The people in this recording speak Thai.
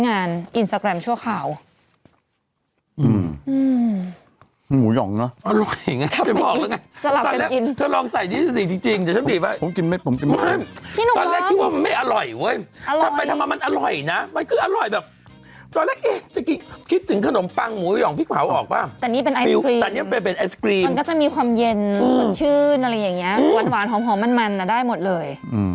นี่สิจริงจริงเดี๋ยวฉันดีไหมผมกินเม็ดผมกินเม็ดไม่ตอนแรกคิดว่ามันไม่อร่อยเว้ยอร่อยทำไปทำมามันอร่อยนะมันคืออร่อยแบบตอนแรกเอ๊ะเจ้าคิดถึงขนมปังหมูหย่องพริกเผาออกป่ะแต่นี่เป็นไอศกรีมแต่นี่เป็นไอศกรีมมันก็จะมีความเย็นสดชื่นอะไรอย่างเงี้ยหวานหวานหอมหอมมันมันอ่ะได้หมดเลย